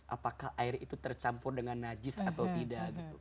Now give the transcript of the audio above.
apakah air itu tercampur dengan najis atau tidak